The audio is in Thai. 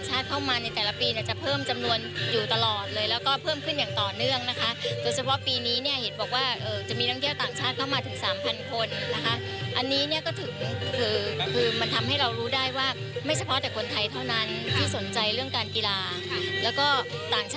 อากาศดีแหล่งท่องเที่ยวสวยงาม